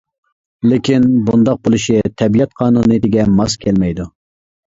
لېكىن. بۇنداق بولۇشى تەبىئەت قانۇنىيىتىگە ماس كەلمەيدۇ.